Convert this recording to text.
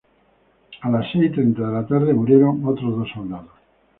A las seis y treinta de la tarde murieron otros dos soldados.